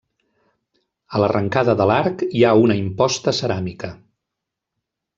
A l'arrencada de l'arc hi ha una imposta ceràmica.